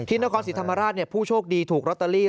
นครศรีธรรมราชผู้โชคดีถูกลอตเตอรี่